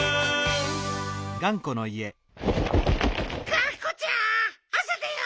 がんこちゃんあさだよ！